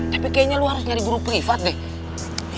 tapi kayaknya lu harus nyari guru privat deh